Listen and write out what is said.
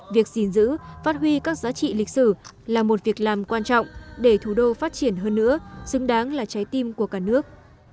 việc gìn giữ phát huy các giá trị lịch sử là một việc làm quan trọng để thủ đô phát triển hơn nữa xứng đáng là trái tim của cả nước